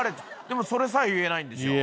でもそれさえ言えないんでしょ？